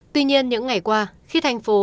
tuy nhiên những ngày qua khi thành phố